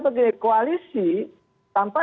begini koalisi tanpa